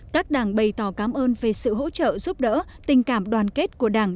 các đảng bày tỏ cảm ơn về sự hỗ trợ giúp đỡ tình cảm đoàn kết của đảng